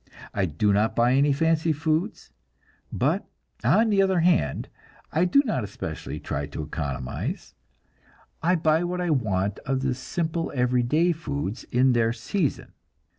I do not buy any fancy foods, but on the other hand, I do not especially try to economize; I buy what I want of the simple everyday foods in their season.